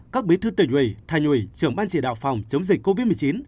các bí thư tỉnh ủy thành ủy trưởng ban chỉ đạo phòng chống dịch covid một mươi chín